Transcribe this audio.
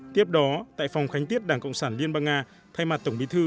tiếp đó tại phòng khánh tiết đảng cộng sản liên bang nga thay mặt tổng bí thư